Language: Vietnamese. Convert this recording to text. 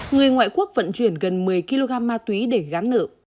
người ngoại quốc vận chuyển gần một mươi kg ma túy để gán nợ